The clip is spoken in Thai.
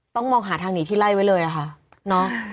ต้องมองหาทางหนีที่ไล่ไว้เลยอะค่ะเนาะ